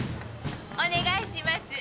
お願いします。